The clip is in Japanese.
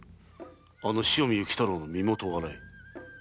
あの汐見雪太郎の身元を洗え。